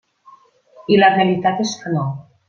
I la realitat és que no.